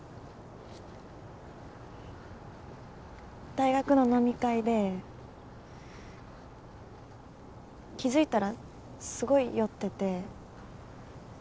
大学の飲み会で気付いたらすごい酔ってて。